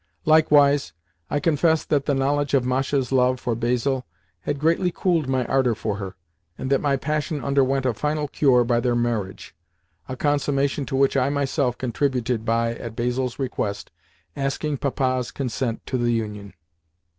Likewise, I confess that the knowledge of Masha's love for Basil had greatly cooled my ardour for her, and that my passion underwent a final cure by their marriage—a consummation to which I myself contributed by, at Basil's request, asking Papa's consent to the union.